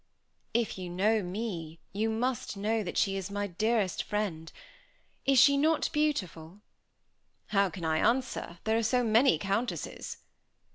"If you know me, you must know that she is my dearest friend. Is she not beautiful?" "How can I answer, there are so many countesses."